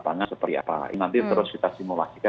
tanya seperti apa nanti terus kita simulasikan